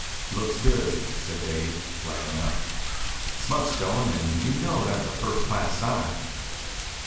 "Looks good," said Dave, playing up. "Smut's showing, and you know that's a first class sign."